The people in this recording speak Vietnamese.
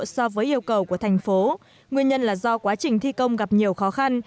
so với yêu cầu của thành phố nguyên nhân là do quá trình thi công gặp nhiều khó khăn